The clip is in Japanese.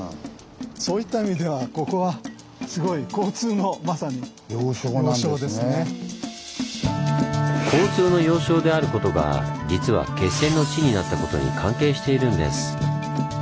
そういった意味では交通の要衝であることが実は決戦の地になったことに関係しているんです。